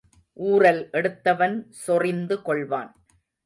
ஊறல் எடுத்தவன் சொறிந்து கொள்வான்.